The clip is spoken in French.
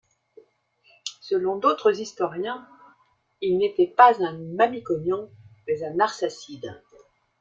Selon d'autres historiens, il était pas un Mamikonian mais un Arsacide.